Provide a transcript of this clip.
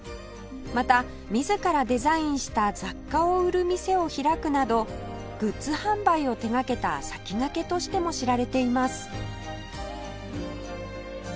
また自らデザインした雑貨を売る店を開くなどグッズ販売を手掛けた先駆けとしても知られています